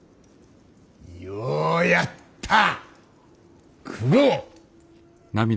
ようやった九郎。